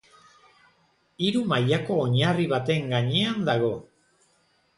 Hiru mailako oinarri baten gainean dago.